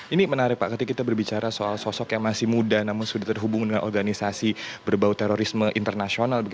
ini menarik pak ketika kita berbicara soal sosok yang masih muda namun sudah terhubung dengan organisasi berbau terorisme internasional